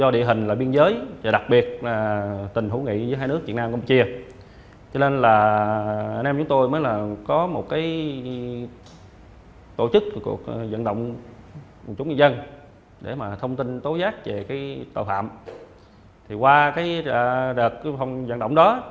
thì qua cái đợt vận động đó